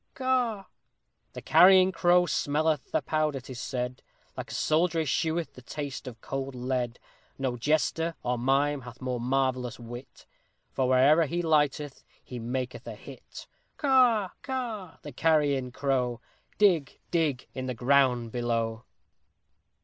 Caw!_ The Carrion Crow smelleth powder, 'tis said, Like a soldier escheweth the taste of cold lead; No jester, or mime, hath more marvellous wit, For, wherever he lighteth, he maketh a hit! Caw! Caw! the Carrion Crow! _Dig! Dig! in the ground below!